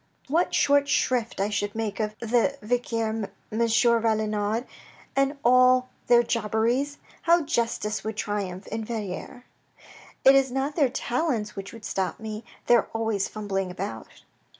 What short shrift I should make of the vicaire, M. Valenod and all their jobberies ! How justice would triumph in Verrieres. It is not their talents which would stop me. They are always fumbling about."